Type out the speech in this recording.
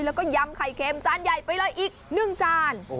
แล้วก็ยำไข่เค็มจานใหญ่ไปเลยอีก๑จาน